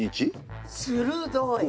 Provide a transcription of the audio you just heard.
鋭い。